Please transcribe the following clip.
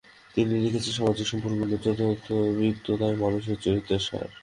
তিনি লিখেছেন, ‘সামাজিক সম্পর্কগুলোর যূথবদ্ধতাই মনুষ্যচরিত্রের সার।